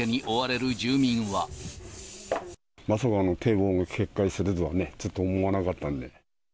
まさか堤防が決壊するとはね、ちょっと思わなかったんで。